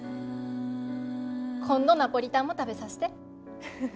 今度ナポリタンも食べさせて。